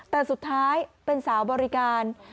แต่สุดท้ายเป็นสาวบริการ